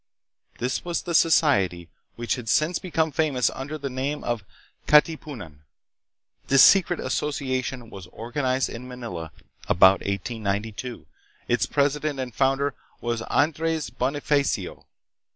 This was the society which has since become famous under the name of "Katipunan." This secret association was organized in Manila about 1892. Its president and founder was Andres Bonifacio.